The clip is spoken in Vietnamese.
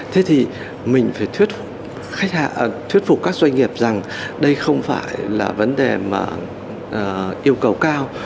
thế thì mình phải thuyết phục các doanh nghiệp rằng đây không phải là vấn đề mà yêu cầu cao